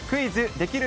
できる？